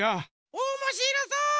おもしろそう！